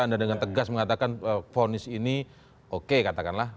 anda dengan tegas mengatakan ponis ini oke katakanlah